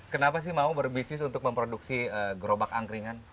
kenapa sih mau berbisnis untuk memproduksi gerobak angkringan